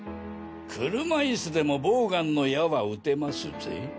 車イスでもボウガンの矢は撃てますぜ。